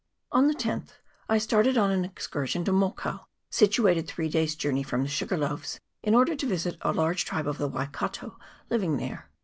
ON the 10th I started on an excursion to Mokau, situated three days' journey from the Sugarloaves, in order to visit a large tribe of the Waikato living there.